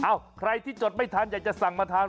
ใครที่จดไม่ทันอยากจะสั่งมาทาน